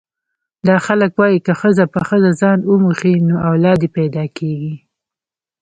دا خلک وايي که ښځه په ښځه ځان وموښي نو اولاد یې پیدا کېږي.